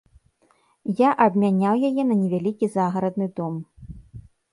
Я абмяняў яе на невялікі загарадны дом.